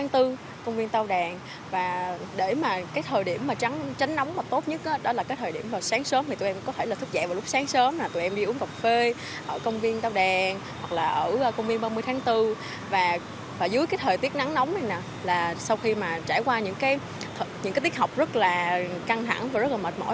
tiết nắng nóng này nè là sau khi mà trải qua những cái tiết học rất là căng hẳn và rất là mệt mỏi